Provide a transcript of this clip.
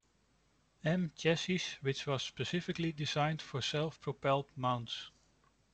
M chassis which was specifically designed for self-propelled mounts.